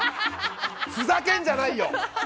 ふざけんじゃないよ！